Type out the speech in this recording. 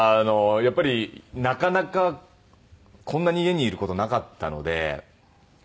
やっぱりなかなかこんなに家にいる事なかったので。